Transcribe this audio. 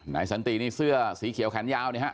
สันตินี่เสื้อสีเขียวแขนยาวนี่ฮะ